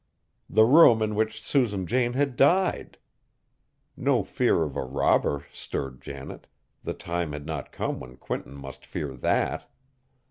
The room in which Susan Jane had died! No fear of a robber stirred Janet, the time had not come when Quinton must fear that.